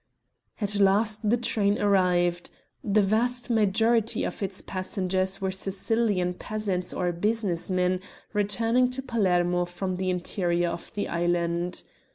At last the train arrived. The vast majority of its passengers were Sicilian peasants or business men returning to Palermo from the interior of the island.